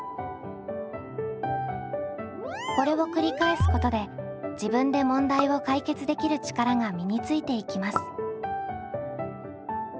これを繰り返すことで自分で問題を解決できる力が身についていきます。